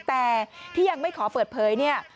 แต่ที่ยังไม่ขอเฝิดเผย